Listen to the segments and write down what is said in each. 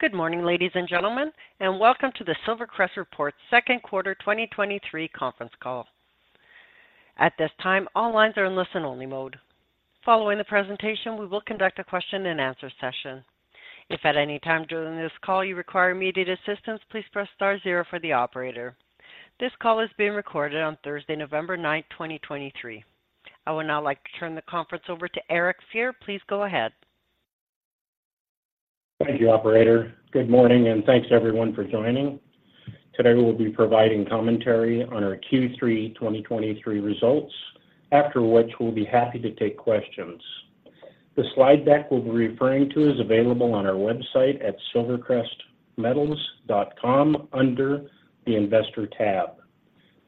Good morning, ladies and gentlemen, and welcome to the SilverCrest Metals Reports second quarter 2023 conference call. At this time, all lines are in listen-only mode. Following the presentation, we will conduct a question-and-answer session. If at any time during this call you require immediate assistance, please press star zero for the operator. This call is being recorded on Thursday, November 9, 2023. I would now like to turn the conference over to Eric Fier. Please go ahead. Thank you, operator. Good morning, and thanks, everyone, for joining. Today, we'll be providing commentary on our Q3 2023 results, after which we'll be happy to take questions. The slide deck we'll be referring to is available on our website at silvercrestmetals.com under the Investor tab.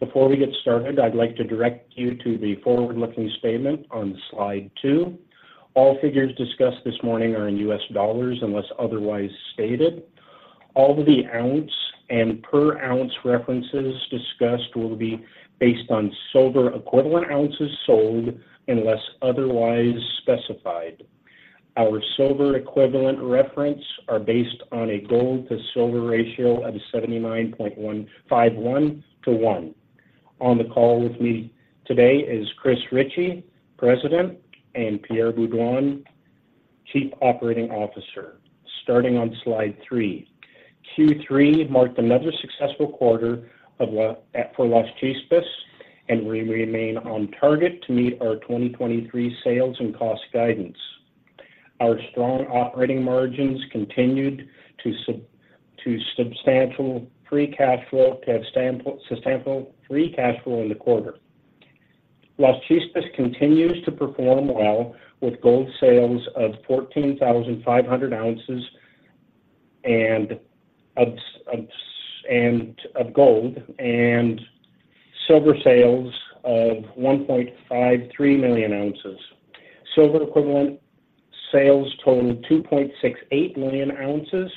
Before we get started, I'd like to direct you to the forward-looking statement on slide two. All figures discussed this morning are in U.S. dollars, unless otherwise stated. All the ounce and per ounce references discussed will be based on silver equivalent ounces sold unless otherwise specified. Our silver equivalent reference are based on a gold to silver ratio of 79.151 to one. On the call with me today is Chris Ritchie, President, and Pierre Beaudoin, Chief Operating Officer. Starting on slide three. Q3 marked another successful quarter of ramp-up at Las Chispas, and we remain on target to meet our 2023 sales and cost guidance. Our strong operating margins continued to support substantial free cash flow to sustainable free cash flow in the quarter. Las Chispas continues to perform well with gold sales of 14,500 ounces and silver sales of 1.53 million ounces. Silver equivalent sales totaled 2.68 million ounces,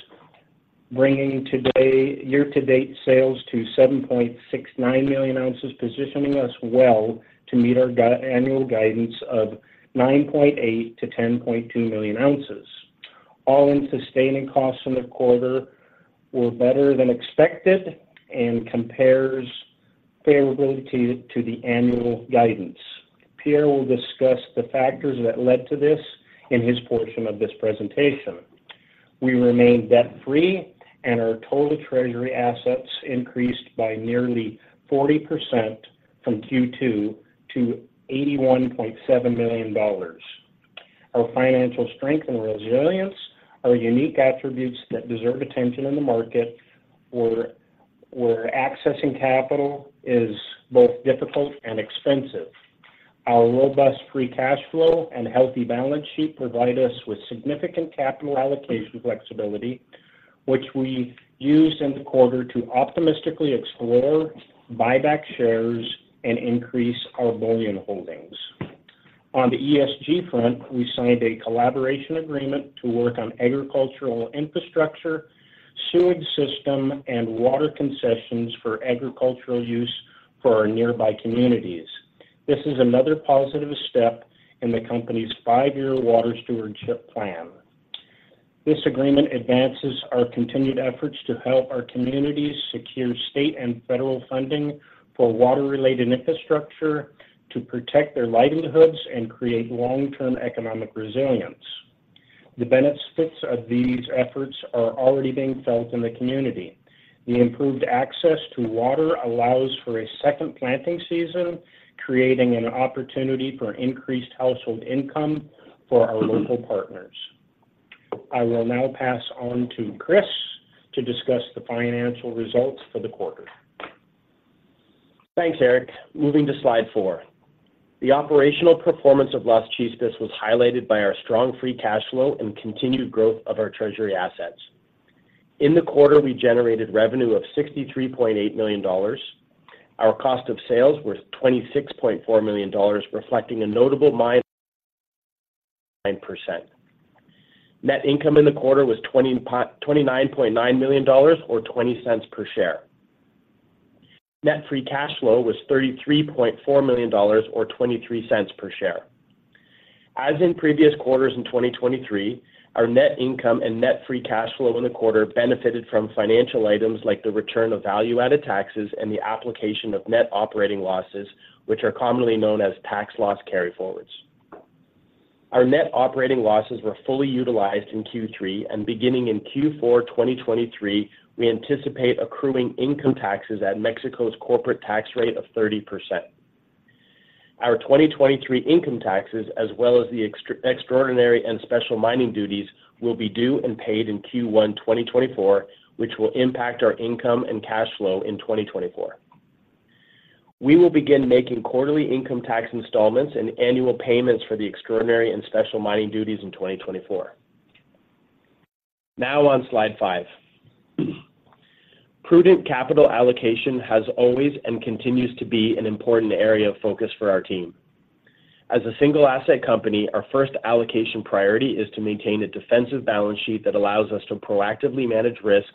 bringing year-to-date sales to 7.69 million ounces, positioning us well to meet our annual guidance of 9.8-10.2 million ounces. All-in sustaining costs in the quarter were better than expected and compares favorably to the annual guidance. Pierre will discuss the factors that led to this in his portion of this presentation. We remain debt-free, and our total treasury assets increased by nearly 40% from Q2 to $81.7 million. Our financial strength and resilience are unique attributes that deserve attention in the market, where accessing capital is both difficult and expensive. Our robust free cash flow and healthy balance sheet provide us with significant capital allocation flexibility, which we used in the quarter to optimistically explore, buy back shares, and increase our bullion holdings. On the ESG front, we signed a collaboration agreement to work on agricultural infrastructure, sewage system, and water concessions for agricultural use for our nearby communities. This is another positive step in the company's five-year water stewardship plan. This agreement advances our continued efforts to help our communities secure state and federal funding for water-related infrastructure to protect their livelihoods and create long-term economic resilience. The benefits of these efforts are already being felt in the community. The improved access to water allows for a second planting season, creating an opportunity for increased household income for our local partners. I will now pass on to Chris to discuss the financial results for the quarter. Thanks, Eric. Moving to slide four. The operational performance of Las Chispas was highlighted by our strong free cash flow and continued growth of our treasury assets. In the quarter, we generated revenue of $63.8 million. Our cost of sales were $26.4 million, reflecting a notable 9%. Net income in the quarter was $29.9 million or $0.20 per share. Net free cash flow was $33.4 million or $0.23 per share. As in previous quarters in 2023, our net income and net free cash flow in the quarter benefited from financial items like the return of value-added taxes and the application of net operating losses, which are commonly known as tax loss carryforwards. Our net operating losses were fully utilized in Q3, and beginning in Q4 2023, we anticipate accruing income taxes at Mexico's corporate tax rate of 30%. Our 2023 income taxes, as well as the Extraordinary and Special Mining Duties, will be due and paid in Q1 2024, which will impact our income and cash flow in 2024. We will begin making quarterly income tax installments and annual payments for the Extraordinary and Special Mining Duties in 2024. Now on slide five. Prudent capital allocation has always and continues to be an important area of focus for our team. As a single asset company, our first allocation priority is to maintain a defensive balance sheet that allows us to proactively manage risk,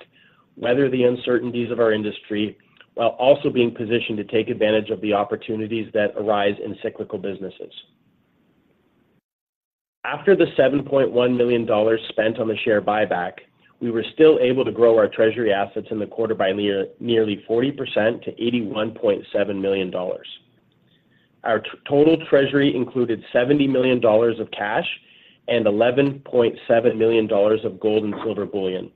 weather the uncertainties of our industry, while also being positioned to take advantage of the opportunities that arise in cyclical businesses.... After the $7.1 million spent on the share buyback, we were still able to grow our treasury assets in the quarter by nearly 40% to $81.7 million. Our total treasury included $70 million of cash and $11.7 million of gold and silver bullion.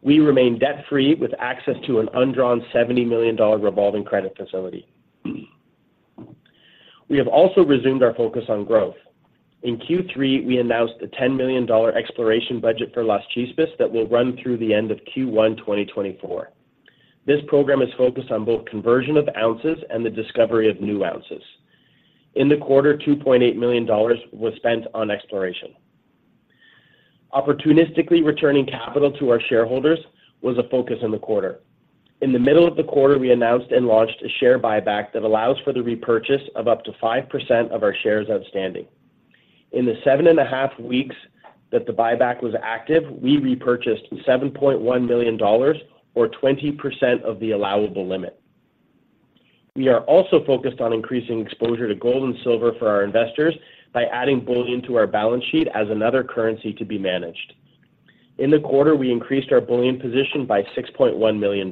We remain debt-free with access to an undrawn $70 million revolving credit facility. We have also resumed our focus on growth. In Q3, we announced a $10 million exploration budget for Las Chispas that will run through the end of Q1 2024. This program is focused on both conversion of ounces and the discovery of new ounces. In the quarter, $2.8 million was spent on exploration. Opportunistically, returning capital to our shareholders was a focus in the quarter. In the middle of the quarter, we announced and launched a share buyback that allows for the repurchase of up to 5% of our shares outstanding. In the 7.5 weeks that the buyback was active, we repurchased $7.1 million or 20% of the allowable limit. We are also focused on increasing exposure to gold and silver for our investors by adding bullion to our balance sheet as another currency to be managed. In the quarter, we increased our bullion position by $6.1 million.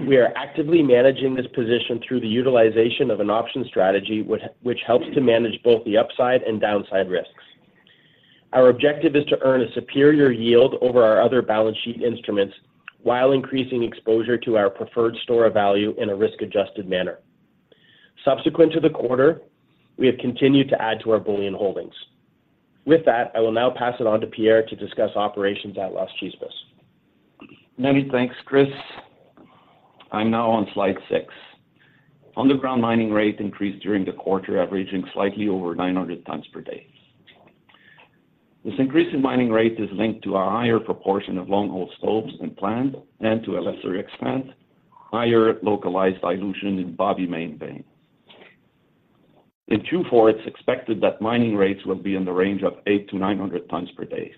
We are actively managing this position through the utilization of an option strategy, which helps to manage both the upside and downside risks. Our objective is to earn a superior yield over our other balance sheet instruments while increasing exposure to our preferred store of value in a risk-adjusted manner. Subsequent to the quarter, we have continued to add to our bullion holdings. With that, I will now pass it on to Pierre to discuss operations at Las Chispas. Many thanks, Chris. I'm now on slide six. Underground mining rate increased during the quarter, averaging slightly over 900 tons per day. This increase in mining rate is linked to a higher proportion of long-hole stopes than planned, and to a lesser extent, higher localized dilution in Babicanora Main Vein. In Q4, it's expected that mining rates will be in the range of 800-900 tons per day,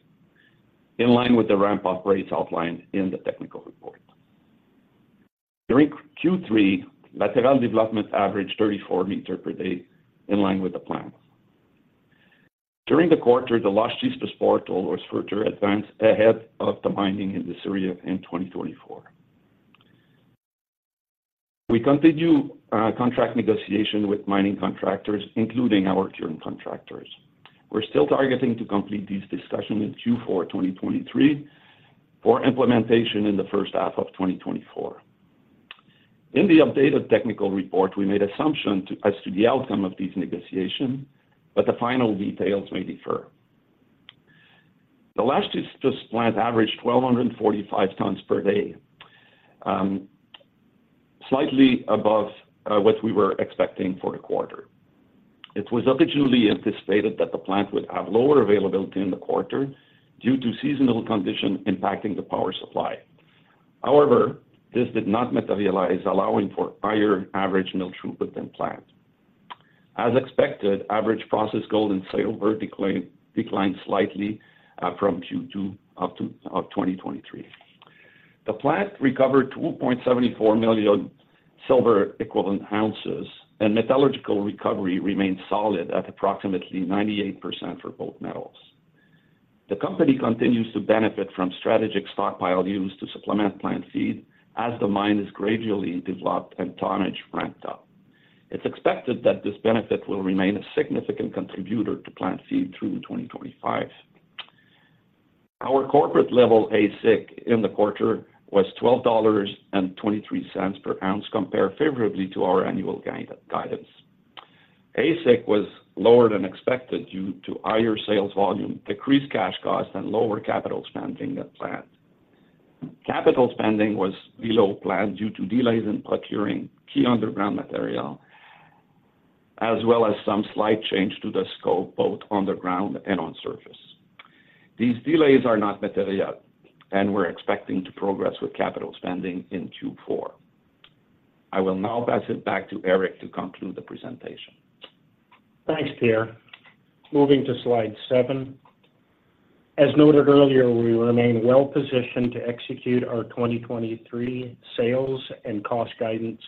in line with the ramp-up rates outlined in the technical report. During Q3, lateral development averaged 34 m per day, in line with the plan. During the quarter, the Las Chispas portal was further advanced ahead of the mining in this area in 2024. We continue contract negotiation with mining contractors, including our current contractors. We're still targeting to complete these discussions in Q4 2023, for implementation in the first half of 2024. In the updated technical report, we made assumption as to the outcome of these negotiations, but the final details may differ. The Las Chispas plant averaged 1,245 tons per day, slightly above what we were expecting for the quarter. It was originally anticipated that the plant would have lower availability in the quarter due to seasonal conditions impacting the power supply. However, this did not materialize, allowing for higher average mill throughput than planned. As expected, average processed gold and silver declined slightly from Q2 of 2023. The plant recovered 2.74 million silver equivalent ounces, and metallurgical recovery remained solid at approximately 98% for both metals. The company continues to benefit from strategic stockpile use to supplement plant feed as the mine is gradually developed and tonnage ramped up. It's expected that this benefit will remain a significant contributor to plant feed through 2025. Our corporate level AISC in the quarter was $12.23 per ounce, compared favorably to our annual guide, guidance. AISC was lower than expected due to higher sales volume, decreased cash costs, and lower capital spending than planned. Capital spending was below plan due to delays in procuring key underground material, as well as some slight change to the scope, both on the ground and on surface. These delays are not material, and we're expecting to progress with capital spending in Q4. I will now pass it back to Eric to conclude the presentation. Thanks, Pierre. Moving to slide seven. As noted earlier, we remain well-positioned to execute our 2023 sales and cost guidance,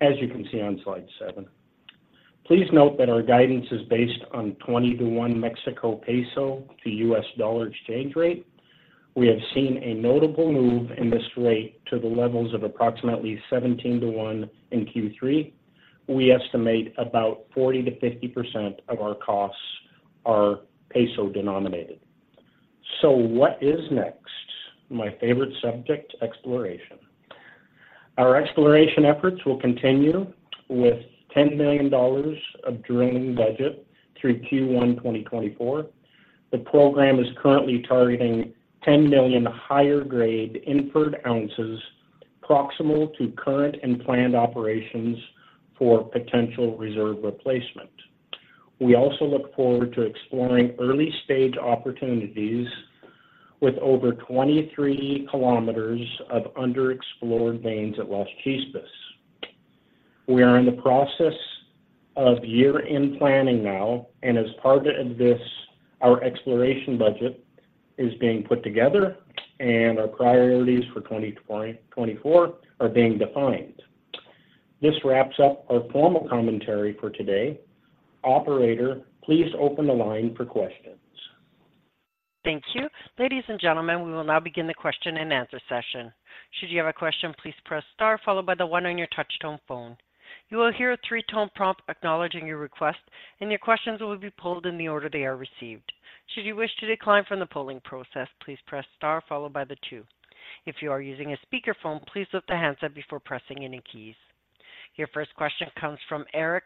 as you can see on slide seven. Please note that our guidance is based on 20:1 Mexican peso to U.S. dollar exchange rate. We have seen a notable move in this rate to the levels of approximately 17:1 in Q3. We estimate about 40%-50% of our costs are peso-denominated. So what is next? My favorite subject, exploration. Our exploration efforts will continue with $10 million of drilling budget through Q1 2024. The program is currently targeting 10 million higher-grade inferred ounces, proximal to current and planned operations for potential reserve replacement. We also look forward to exploring early-stage opportunities with over 23 km of underexplored veins at Las Chispas. We are in the process of year-end planning now, and as part of this, our exploration budget is being put together, and our priorities for 2024 are being defined. This wraps up our formal commentary for today. Operator, please open the line for questions. Thank you. Ladies and gentlemen, we will now begin the question-and-answer session. Should you have a question, please press star followed by the one on your touchtone phone. You will hear a three-tone prompt acknowledging your request, and your questions will be pulled in the order they are received. Should you wish to decline from the polling process, please press star followed by the two. If you are using a speakerphone, please lift the handset before pressing any keys. Your first question comes from Eric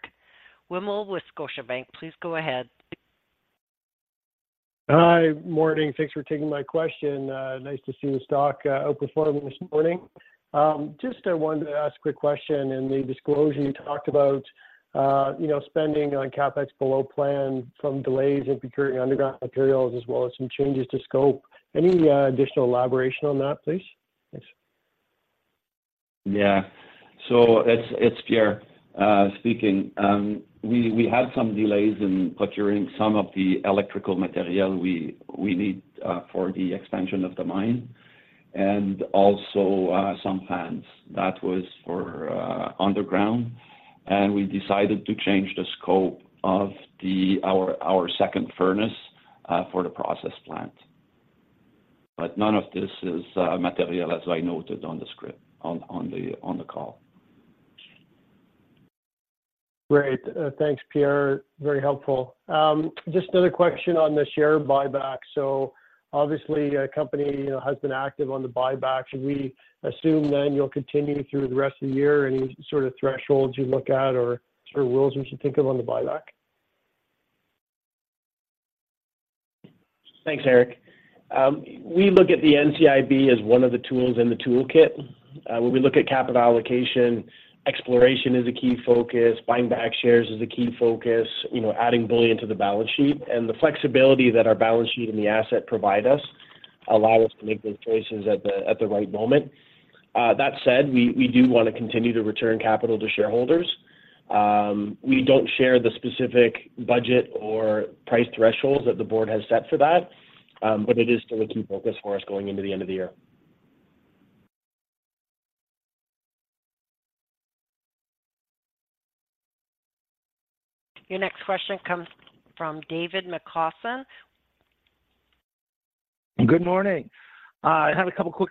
Winmill with Scotiabank. Please go ahead. Hi. Morning. Thanks for taking my question. Nice to see the stock outperforming this morning. Just wanted to ask a quick question. In the disclosure, you talked about, you know, spending on CapEx below plan from delays in procuring underground materials as well as some changes to scope. Any additional elaboration on that, please? Thanks. Yeah. So it's Pierre speaking. We had some delays in procuring some of the electrical material we need for the expansion of the mine and also some plants that was for underground, and we decided to change the scope of our second furnace for the process plant. But none of this is material, as I noted on the script, on the call. Great. Thanks, Pierre. Very helpful. Just another question on the share buyback. So obviously, a company, you know, has been active on the buyback. Should we assume then you'll continue through the rest of the year? Any sort of thresholds you look at or sort of rules we should think of on the buyback? Thanks, Eric. We look at the NCIB as one of the tools in the toolkit. When we look at capital allocation, exploration is a key focus, buying back shares is a key focus, you know, adding bullion to the balance sheet. The flexibility that our balance sheet and the asset provide us allow us to make those choices at the right moment. That said, we do want to continue to return capital to shareholders. We don't share the specific budget or price thresholds that the board has set for that, but it is still a key focus for us going into the end of the year. Your next question comes from David McCaw. Good morning. I have a couple quick,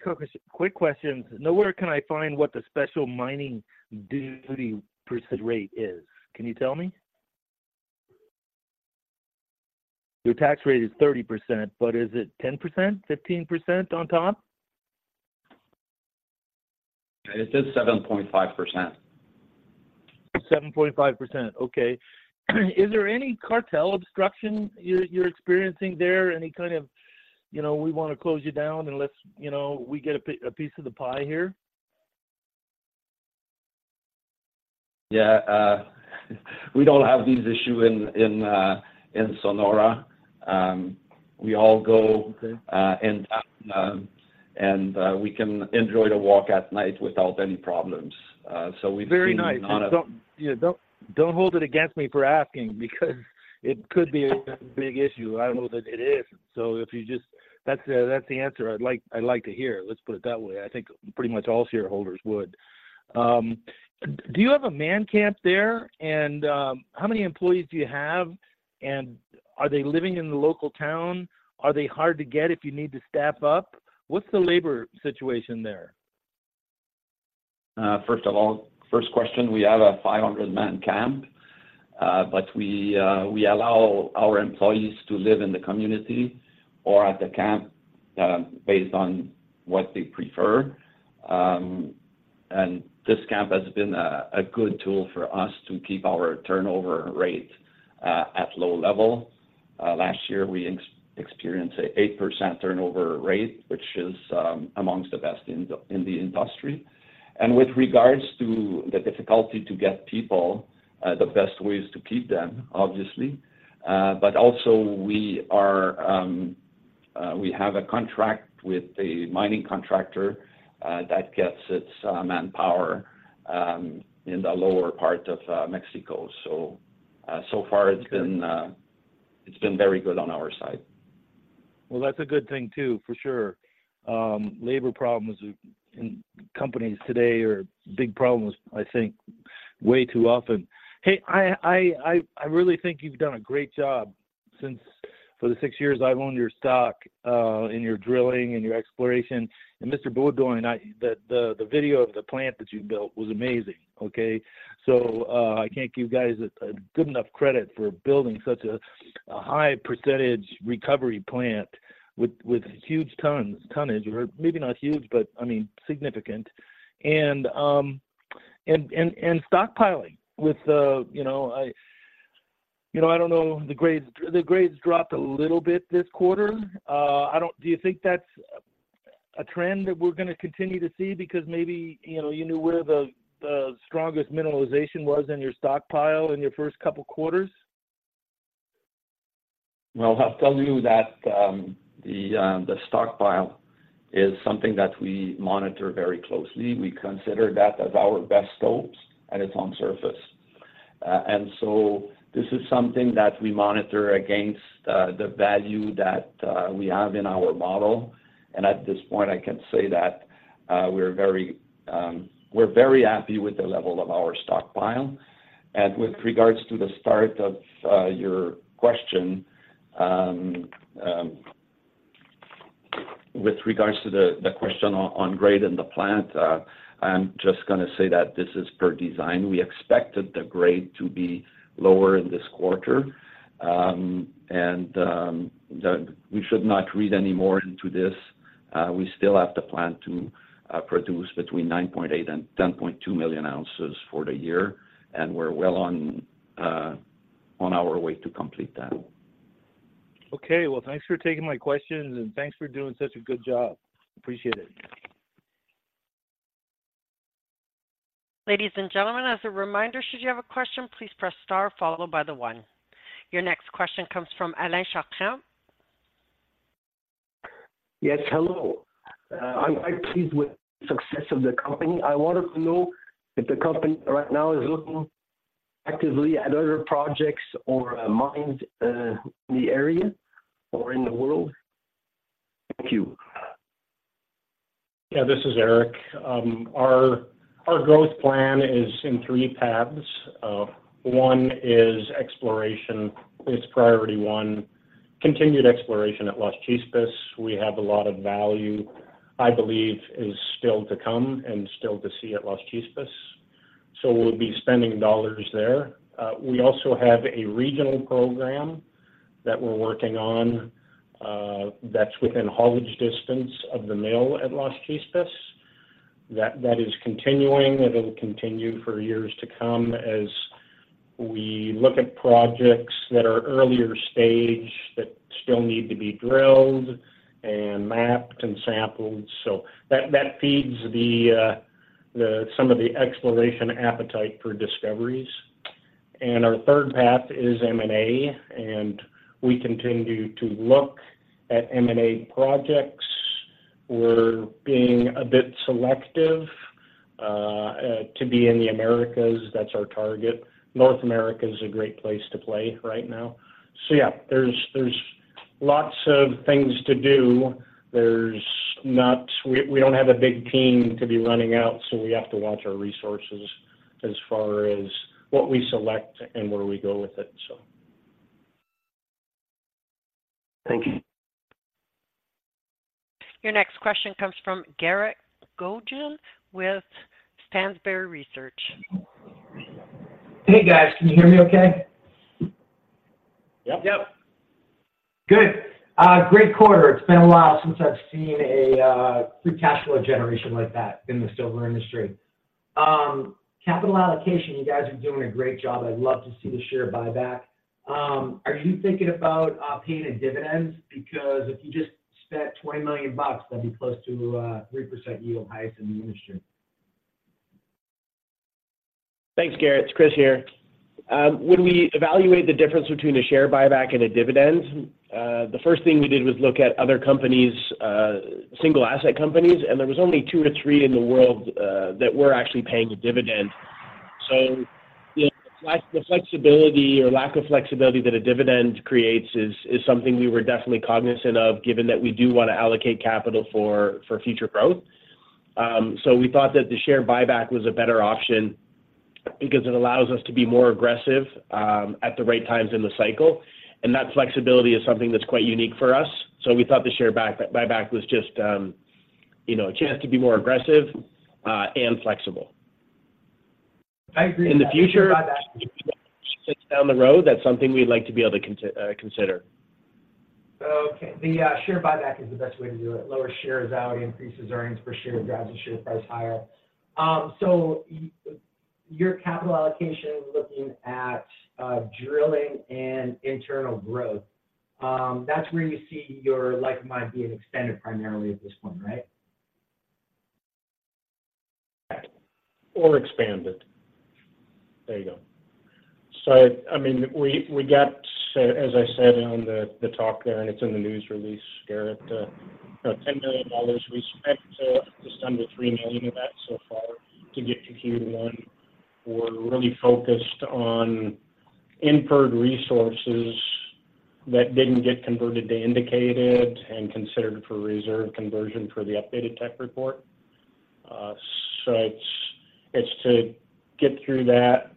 quick questions. Nowhere can I find what the special mining duty percent rate is. Can you tell me? The tax rate is 30%, but is it 10%, 15% on top? It is 7.5%. 7.5%, okay. Is there any cartel obstruction you're, you're experiencing there? Any kind of, you know, we want to close you down unless, you know, we get a pi-- a piece of the pie here? Yeah, we don't have these issue in Sonora. We all go- Okay... in town, and we can enjoy the walk at night without any problems. So we've seen- Very nice. Don't, yeah, don't, don't hold it against me for asking, because it could be a big issue. I don't know that it is, so if you just... That's the, that's the answer I'd like, I'd like to hear, let's put it that way. I think pretty much all shareholders would. Do you have a man camp there? And how many employees do you have, and are they living in the local town? Are they hard to get if you need to staff up? What's the labor situation there? First of all, first question, we have a 500-man camp, but we allow our employees to live in the community or at the camp, based on what they prefer. And this camp has been a good tool for us to keep our turnover rate at low level. Last year, we experienced an 8% turnover rate, which is among the best in the industry. With regards to the difficulty to get people, the best way is to keep them, obviously. But also, we have a contract with a mining contractor that gets its manpower in the lower part of Mexico. So, so far it's been very good on our side. Well, that's a good thing, too, for sure. Labor problems in companies today are big problems, I think, way too often. Hey, I really think you've done a great job since for the six years I've owned your stock, and your drilling and your exploration. And Mr. Beaudoin, the video of the plant that you built was amazing, okay? I can't give you guys a good enough credit for building such a high percentage recovery plant with huge tonnage, or maybe not huge, but I mean, significant. And stockpiling with the, you know, you know, I don't know, the grades, the grades dropped a little bit this quarter. Do you think that's a trend that we're going to continue to see? Because maybe, you know, you knew where the strongest mineralization was in your stockpile in your first couple quarters. Well, I'll tell you that, the stockpile is something that we monitor very closely. We consider that as our best stopes, and it's on surface. And so this is something that we monitor against, the value that, we have in our model. And at this point, I can say that, we're very, we're very happy with the level of our stockpile. And with regards to the start of, your question, with regards to the, the question on, on grade and the plant, I'm just gonna say that this is per design. We expected the grade to be lower in this quarter. And, we should not read any more into this. We still have the plan to, produce between 9.8 and 10.2 million ounces for the year, and we're well on, on our way to complete that. Okay. Well, thanks for taking my questions, and thanks for doing such a good job. Appreciate it. Ladies and gentlemen, as a reminder, should you have a question, please press star, followed by the one. Your next question comes from Alan Sharpin. Yes, hello. I'm quite pleased with the success of the company. I wanted to know if the company right now is looking actively at other projects or, mines, in the area or in the world? Thank you. Yeah, this is Eric. Our growth plan is in three paths. One is exploration. It's priority one, continued exploration at Las Chispas. We have a lot of value, I believe, is still to come and still to see at Las Chispas, so we'll be spending dollars there. We also have a regional program that we're working on, that's within haulage distance of the mill at Las Chispas. That is continuing, and it'll continue for years to come as we look at projects that are earlier stage, that still need to be drilled and mapped and sampled. So that feeds some of the exploration appetite for discoveries. And our third path is M&A, and we continue to look at M&A projects. We're being a bit selective to be in the Americas. That's our target. North America is a great place to play right now. So yeah, there's lots of things to do. There's not. We don't have a big team to be running out, so we have to watch our resources as far as what we select and where we go with it, so. Thank you. Your next question comes from Garrett Goggin with Stansberry Research. Hey, guys, can you hear me okay? Yep. Yep. Good. Great quarter. It's been a while since I've seen a free cash flow generation like that in the silver industry. Capital allocation, you guys are doing a great job. I'd love to see the share buyback. Are you thinking about paying a dividend? Because if you just spent $20 million, that'd be close to a 3% yield highest in the industry. Thanks, Garrett. It's Chris here. When we evaluate the difference between a share buyback and a dividend, the first thing we did was look at other companies, single asset companies, and there was only two to three in the world that were actually paying a dividend. So the flexibility or lack of flexibility that a dividend creates is something we were definitely cognizant of, given that we do want to allocate capital for future growth. So we thought that the share buyback was a better option because it allows us to be more aggressive at the right times in the cycle, and that flexibility is something that's quite unique for us. So we thought the share buyback was just, you know, a chance to be more aggressive and flexible. I agree with that- In the future- Buyback. Six months down the road, that's something we'd like to be able to consider. Okay. The share buyback is the best way to do it. Lower shares out, increases earnings per share, drives the share price higher. So your capital allocation, looking at drilling and internal growth, that's where you see your life might being extended primarily at this point, right? Or expanded. There you go. So I mean, we got so as I said on the talk there, and it's in the news release, Garrett, $10 million, we spent just under $3 million of that so far to get to Q1. We're really focused on inferred resources that didn't get converted to indicated and considered for reserve conversion for the updated tech report. So it's to get through that,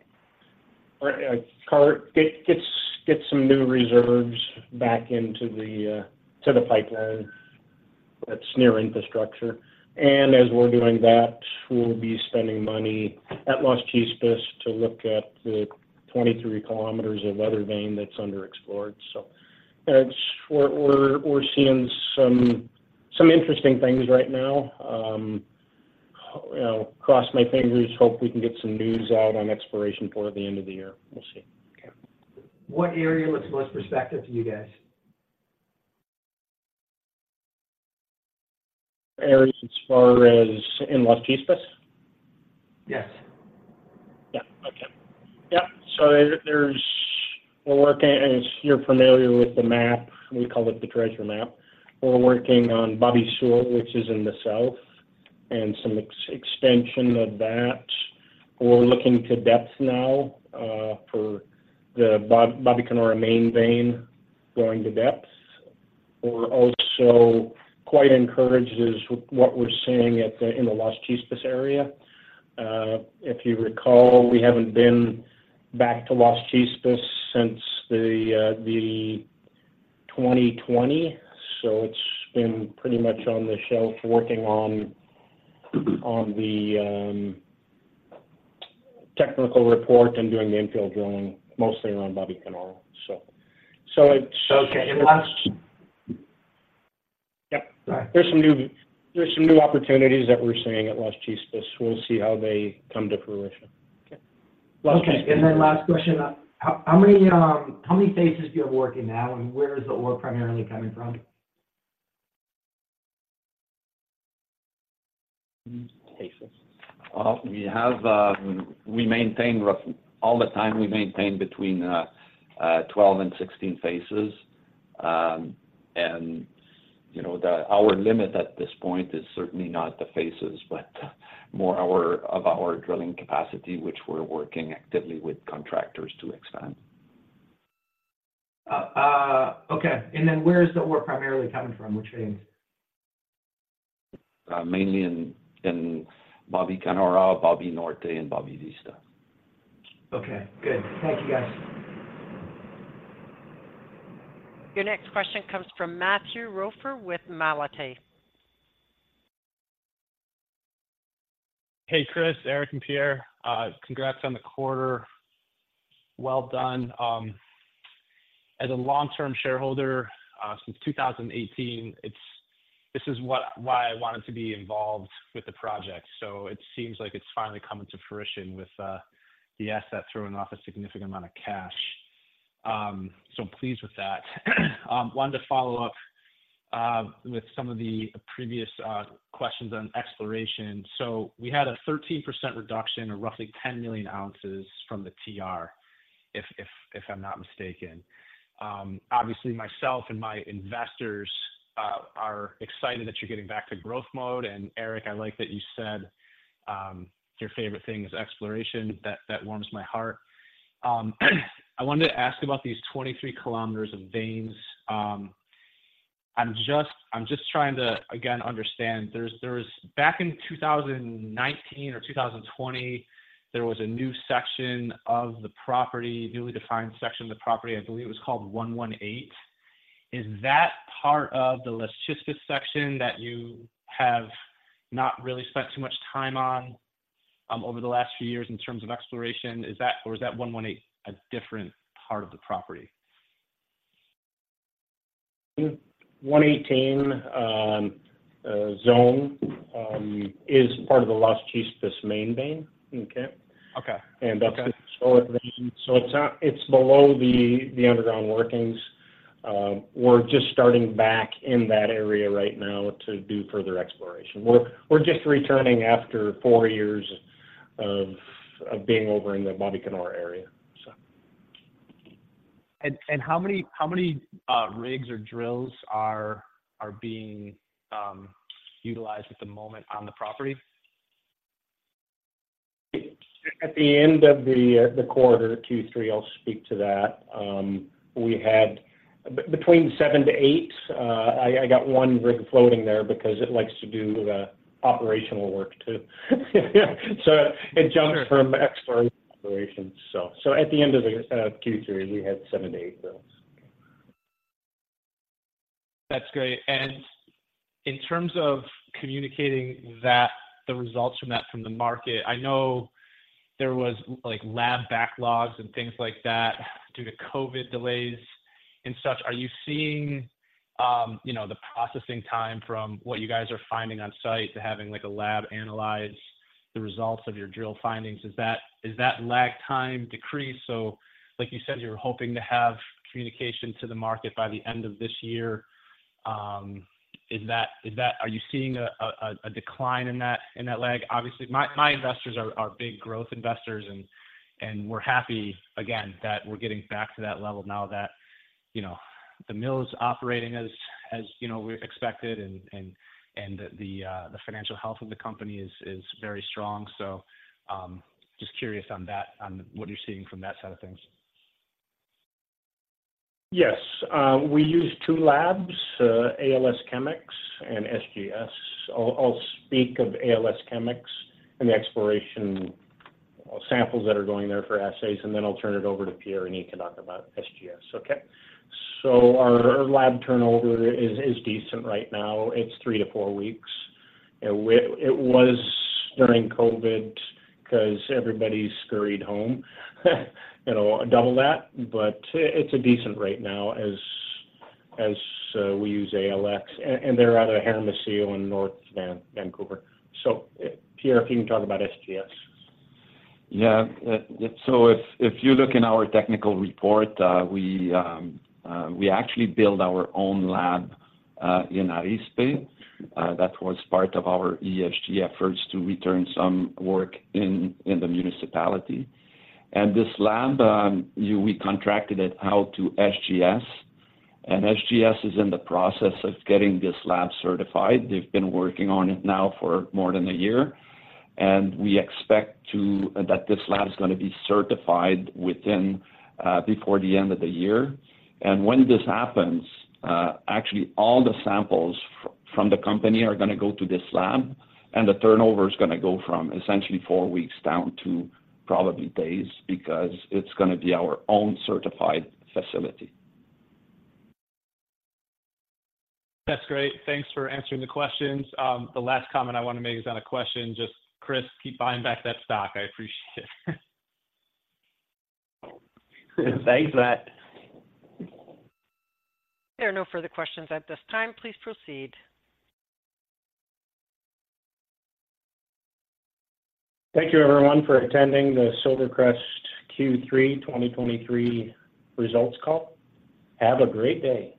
get some new reserves back into the pipeline that's near infrastructure. And as we're doing that, we'll be spending money at Las Chispas to look at the 23 km of weather vein that's underexplored. So it's... We're seeing some interesting things right now. You know, cross my fingers, hope we can get some news out on exploration before the end of the year. We'll see. Okay. What area looks most prospective to you guys? Areas as far as in Las Chispas? Yes. Yeah. Okay. Yeah, so we're working, as you're familiar with the map, we call it the treasure map. We're working on Babi South, which is in the south, and some extension of that. We're looking to depths now, for the Babicanora main vein, going to depths. We're also quite encouraged with what we're seeing at the, in the Las Chispas area. If you recall, we haven't been back to Las Chispas since the 2020, so it's been pretty much on the shelf, working on the technical report and doing the infill drilling, mostly around Babicanora. So, it's- Okay, and last- Yeah. All right. There's some new opportunities that we're seeing at Las Chispas. We'll see how they come to fruition. Okay. Las Chispas. Okay, and then last question. How many phases are you working now, and where is the ore primarily coming from? Phases. We maintain all the time between 12 and 16 faces. You know, our limit at this point is certainly not the faces, but more of our drilling capacity, which we're working actively with contractors to expand. Okay. And then where is the ore primarily coming from, which veins? Mainly in Babicanora, Babi Norte, and Babi Vista. Okay, good. Thank you, guys. Your next question comes from Matthew Rofer with Malate. Hey, Chris, Eric, and Pierre. Congrats on the quarter. Well done. As a long-term shareholder since 2018, it's what, why I wanted to be involved with the project. So it seems like it's finally coming to fruition with the asset throwing off a significant amount of cash. So I'm pleased with that. Wanted to follow up with some of the previous questions on exploration. So we had a 13% reduction, or roughly 10 million ounces from the TR, if I'm not mistaken. Obviously, myself and my investors are excited that you're getting back to growth mode. And Eric, I like that you said your favorite thing is exploration. That warms my heart. I wanted to ask about these 23 km of veins. I'm just, I'm just trying to, again, understand. There was... Back in 2019 or 2020, there was a new section of the property, newly defined section of the property. I believe it was called 118. Is that part of the Las Chispas section that you have not really spent too much time on over the last few years in terms of exploration? Is that or is that 118 a different part of the property? 118 Zone is part of the Las Chispas main vein. Okay? Okay. And that's the historic vein. So it's, it's below the, the underground workings. We're just starting back in that area right now to do further exploration. We're, we're just returning after four years of, of being over in the Babicanora area, so. And how many rigs or drills are being utilized at the moment on the property? At the end of the quarter, Q3, I'll speak to that. We had between seven-eight. I got one rig floating there because it likes to do the operational work, too. So it jumps from exploration to operations. So at the end of the Q3, we had seven-eight drills. That's great. And in terms of communicating that, the results from that from the market, I know there was, like, lab backlogs and things like that due to COVID delays and such. Are you seeing, you know, the processing time from what you guys are finding on site to having, like, a lab analyze the results of your drill findings? Is that lag time decreased? So like you said, you're hoping to have communication to the market by the end of this year. Is that-- Are you seeing a decline in that lag? Obviously, my investors are big growth investors, and we're happy again that we're getting back to that level now that, you know, the mill is operating as, you know, we expected, and the financial health of the company is very strong. So, just curious on that, on what you're seeing from that side of things. Yes, we use two labs, ALS Chemex and SGS. I'll speak of ALS Chemex and the exploration samples that are going there for assays, and then I'll turn it over to Pierre, and he can talk about SGS, okay? So our lab turnover is decent right now. It's three to four weeks. It was during COVID because everybody scurried home, you know, double that. But, it's a decent rate now as we use ALS, and they're out of Hermosillo and North Vancouver. So Pierre, if you can talk about SGS. Yeah. So if, if you look in our technical report, we actually built our own lab in Arizpe. That was part of our ESG efforts to return some work in the municipality. And this lab, we contracted it out to SGS, and SGS is in the process of getting this lab certified. They've been working on it now for more than a year, and we expect that this lab is gonna be certified within before the end of the year. And when this happens, actually, all the samples from the company are gonna go to this lab, and the turnover is gonna go from essentially four weeks down to probably days, because it's gonna be our own certified facility. That's great. Thanks for answering the questions. The last comment I want to make is not a question, just, Chris, keep buying back that stock. I appreciate it. Thanks for that. There are no further questions at this time. Please proceed. Thank you, everyone, for attending the SilverCrest Q3 2023 results call. Have a great day.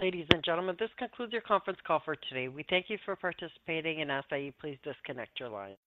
Ladies and gentlemen, this concludes your conference call for today. We thank you for participating and ask that you please disconnect your line.